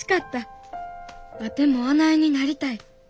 ワテもあないになりたい。